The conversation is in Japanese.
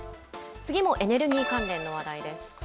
次もエネルギー関連の話題です。